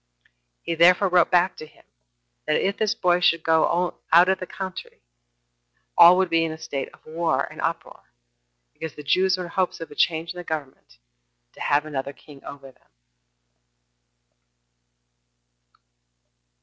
He therefore wrote back to him, that if this boy should only go out of the country, all would be in a state of war and uproar, because the Jews were in hopes of a change in the government, and to have another king over them.